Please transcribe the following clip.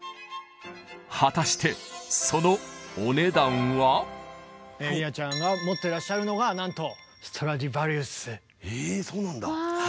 果たして理奈ちゃんが持ってらっしゃるのがなんとえそうなんだ。